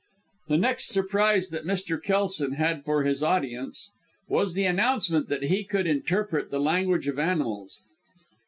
The next surprise that Mr. Kelson had for his audience, was the announcement that he could interpret the language of animals.